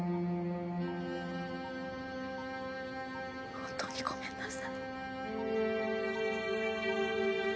本当にごめんなさい。